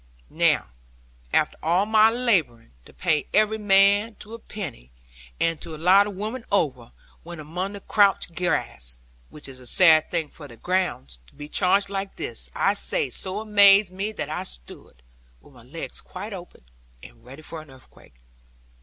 Now after all my labouring to pay every man to a penny, and to allow the women over, when among the couch grass (which is a sad thing for their gowns), to be charged like this, I say, so amazed me that I stood, with my legs quite open, and ready for an earthquake.